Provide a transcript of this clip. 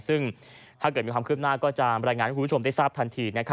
ซึ่งถ้าเกิดมีความคืบหน้าก็จะรายงานให้คุณผู้ชมได้ทราบทันที